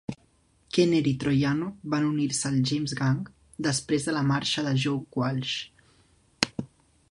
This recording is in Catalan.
Kenner i Troiano van unir-se al James Gang, després de la marxa de Joe Walsh.